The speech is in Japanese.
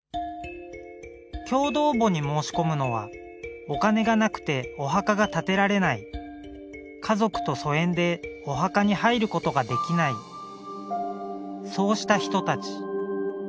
共同墓に申し込むのはお金がなくてお墓が建てられない家族と疎遠でお墓に入ることができないそうした人たち。